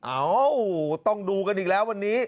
เอ้าต้องดูกันอีกแล้ววันนี้